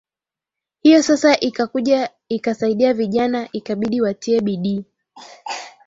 hiyo sasa ikakuja ikasaidia vijana ikabidi watie bidii